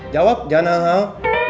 jawab jangan hal hal